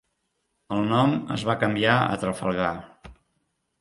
El nom es va canviar a Trafalgar.